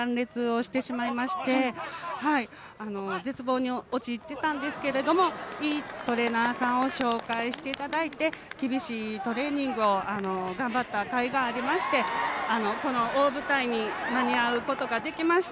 去年の７月に前十字じん帯断裂をしてしまいまして絶望していたんですけれども、いいトレーナーさんを紹介していただいて、厳しいトレーニングを頑張ったかいがありましてこの大舞台に間に合うことができました。